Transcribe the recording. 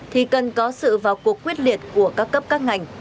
thì cần có sự vào cuộc quyết liệt của các cấp các ngành